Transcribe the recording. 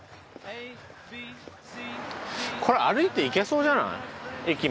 これ歩いて行けそうじゃない？